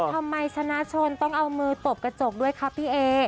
ทำไมชนะชนต้องเอามือตบกระจกด้วยครับพี่เอ